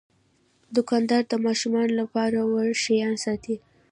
دوکاندار د ماشومانو لپاره وړ شیان ساتي.